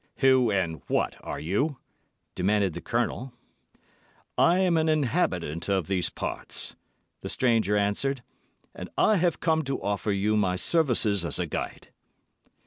"Who and what are you?" demanded the Colonel. "I'm an inhabitant of these parts," the stranger answered, "and I have come to offer you my services as guide."